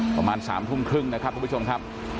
ประมาณ๓ทุ่มครึ่งนะครับทุกผู้ชมครับ